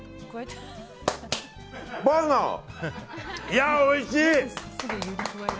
いや、おいしい！